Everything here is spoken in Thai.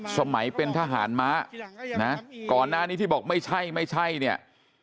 สมัยเป็นทหารม้านะก่อนหน้านี้ที่บอกไม่ใช่ไม่ใช่เนี่ย